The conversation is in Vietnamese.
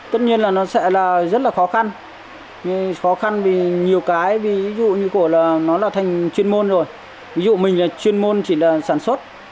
tất nhiên là nó sẽ là rất là khó khăn khó khăn vì nhiều cái ví dụ như của là nó là thành chuyên môn rồi ví dụ mình là chuyên môn chỉ là sản xuất